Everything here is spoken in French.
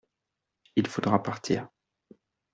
Il faudra partir.